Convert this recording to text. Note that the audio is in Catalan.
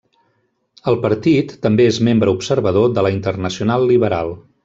El partit també és membre observador de la Internacional Liberal.